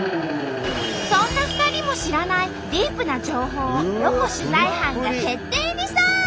そんな２人も知らないディープな情報をロコ取材班が徹底リサーチ！